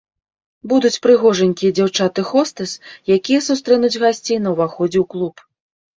Будуць прыгожанькія дзяўчаты-хостэс, якія сустрэнуць гасцей на ўваходзе ў клуб.